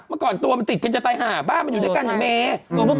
เมื่อก่อนตัวมันติดเคยจะตายหามึงอยู่ด้วยกันอย่างเนร